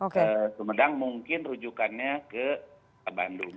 kemudian mungkin rujukannya ke bandung